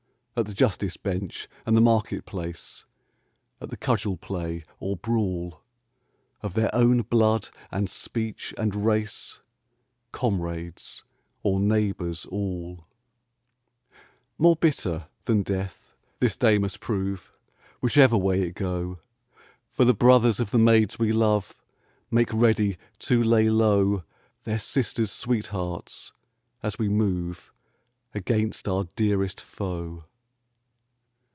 At the justice bench and the market place, At the cudgel play or brawl, Of their own blood and speech and race, Comrades or neighbours all ! More bitter than death this day must prove Whichever way it go, 156 Charles I For the brothers of the maids we love Make ready to lay low Their sisters' sweethearts, as we move Against our dearest foe.